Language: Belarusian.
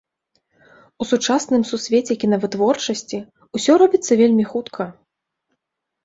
У сучасным сусвеце кінавытворчасці ўсё робіцца вельмі хутка.